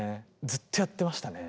ずっとやってましたね。